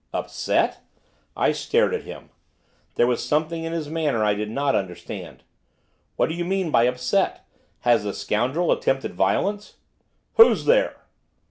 'Upset?' I stared at him. There was something in his manner I did not understand. 'What do you mean by upset? Has the scoundrel attempted violence?' 'Who's there?